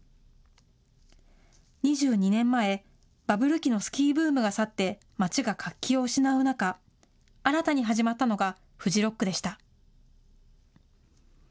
２２年前、バブル期のスキーブームが去って町が活気を失う中、新たに始まったのがフジロックでした。